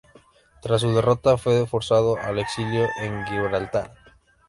Tras su derrota fue forzado al exilio en Gibraltar.